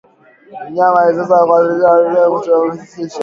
Mnyama aliyeathiriwa husambaza kiini kinachousababisha